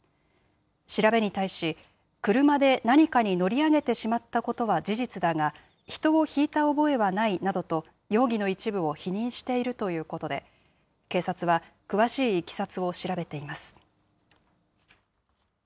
調べに対し、車で何かに乗り上げてしまったことは事実だが、人をひいた覚えはないなどと容疑の一部を否認しているということで、警察は詳しいいきさつを調べています。